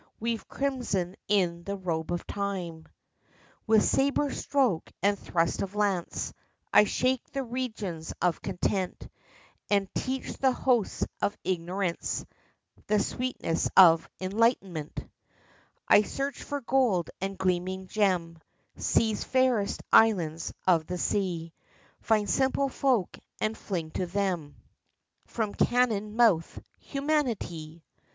Weave crimson in the robe of Time ! With sabre stroke and thrust of lance I shake the regions of Content, And teach the hosts of Ignorance The sweetness of Enlightenment I I search for gold and gleaming gem, Seize fairest islands of the sea, Find simple folk and fling to them From cannon mouth — Humanity